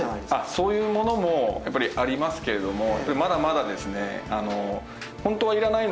そういうものもやっぱりありますけれどもまだまだですね。